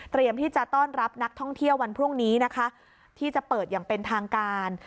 ที่จะต้อนรับนักท่องเที่ยววันพรุ่งนี้นะคะที่จะเปิดอย่างเป็นทางการ